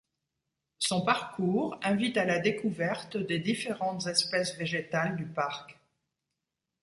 Son parcours invite à la découverte des différentes espèces végétales du parc.